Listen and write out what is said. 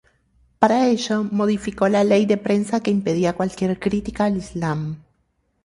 Para ello modificó la Ley de Prensa que impedía cualquier crítica al islam.